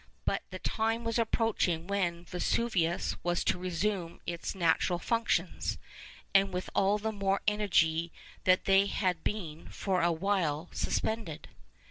But the time was approaching when Vesuvius was to resume its natural functions, and with all the more energy that they had been for a while suspended.